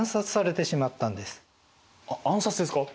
あ暗殺ですか！？